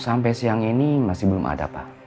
sampai siang ini masih belum ada pak